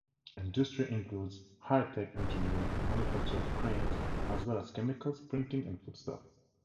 Industry includes high-tech engineering, manufacture of cranes, as well as chemicals, printing, and foodstuffs.